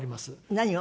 何を？